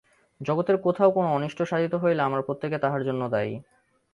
জগতের কোথাও কোন অনিষ্ট সাধিত হইলে আমরা প্রত্যেকে তাহার জন্য দায়ী।